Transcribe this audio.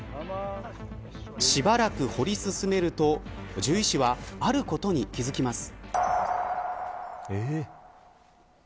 しばらく掘り進めると獣医師はあることに気付きます。